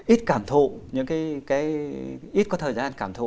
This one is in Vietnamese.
ít cảm thụ những cái ít có thời gian cảm thụ